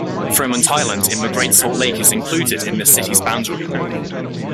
Fremont Island in the Great Salt Lake is included in this city's boundary.